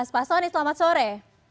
pak soni selamat sore